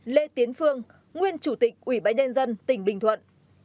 năm lê tiến phương nguyên chủ tịch ủy bãi nhân dân tỉnh bình thuận